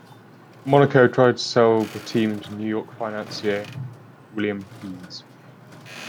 Monaco tried to sell the team to New York financier William Pease.